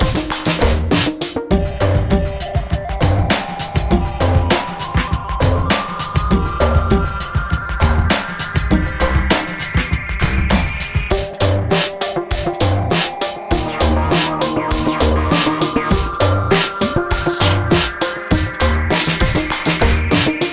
สวัสดีค่ะเส้นด้ายพิมพ์และดาววัยส่งนะคะ